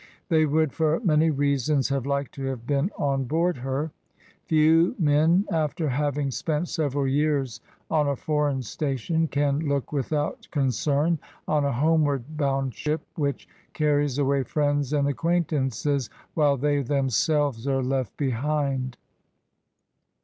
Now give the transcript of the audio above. They would for many reasons have liked to have been on board her. Few men, after having spent several years on a foreign station, can look without concern on a homeward bound ship, which carries away friends and acquaintances, while they themselves are left behind.